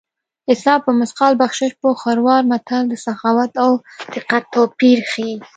حساب په مثقال بخشش په خروار متل د سخاوت او دقت توپیر ښيي